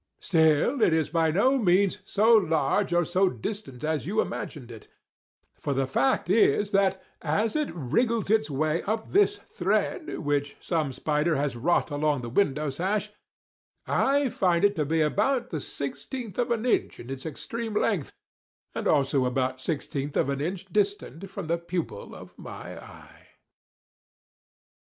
Still, it is by no means so large or so distant as you imagined it,—for the fact is that, as it wriggles its way up this thread, which some spider has wrought along the window sash, I find it to be about the sixteenth of an inch in its extreme length, and also about the sixteenth of an inch distant from the pupil of my eye."